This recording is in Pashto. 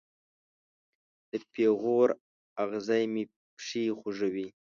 د پیغور اغزې مې پښې خوږوي